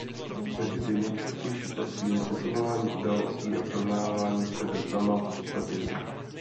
Mezi ty nejčastější patří vysvětlování událostí a srovnávání sebe sama s ostatními.